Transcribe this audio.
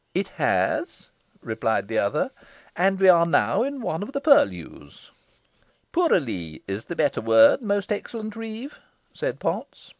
"It has," replied the other "and we are now in one of the purlieus." "Pourallee is the better word, most excellent reeve," said Potts.